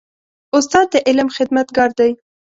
استاد د علم خدمتګار دی.